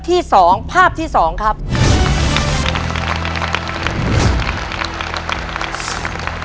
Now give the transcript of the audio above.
ปีหน้าหนูต้อง๖ขวบให้ได้นะลูก